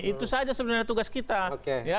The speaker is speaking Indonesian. itu saja sebenarnya tugas kita